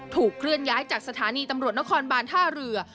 เคลื่อนย้ายจากสถานีตำรวจนครบานท่าเรือ